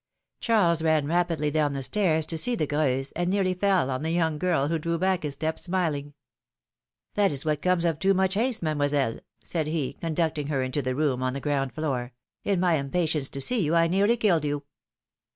^^ Charles ran rapidly do\vn the stairs to see the Greuze, and nearly fell on the young girl, who drew back a step, smiling. That is what comes of too much haste, Mademoiselle/^ said he, conducting her into the room on the ground floor ; 'Gn my impatience to see you, I nearly killed you.